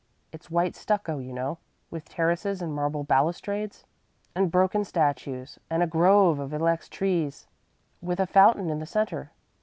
It's white stucco, you know, with terraces and marble balustrades and broken statues, and a grove of ilex trees with a fountain in the center.